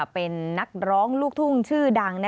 เป็นนักร้องลูกทุ่งชื่อดัง